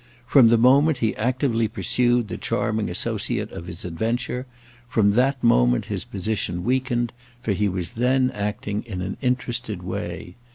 From the moment he actively pursued the charming associate of his adventure, from that moment his position weakened, for he was then acting in an interested way.